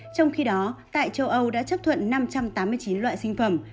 trong khi đó tại châu âu đã chấp thuận năm trăm tám mươi chín loại sinh phẩm